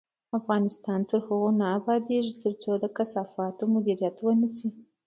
افغانستان تر هغو نه ابادیږي، ترڅو د کثافاتو مدیریت ونشي.